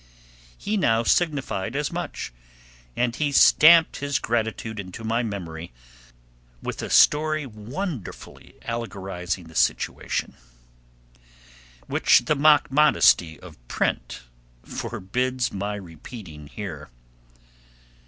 He now signified as much, and he stamped his gratitude into my memory with a story wonderfully allegorizing the situation, which the mock modesty of print forbids my repeating here.